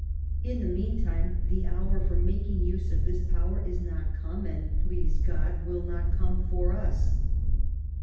In the mean time, the hour for making use of this power is not come and, please God, will not come for us.